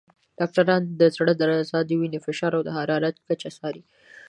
ډاکټران د زړه درزا، د وینې فشار، او د حرارت کچه څاري.